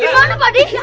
di mana pak d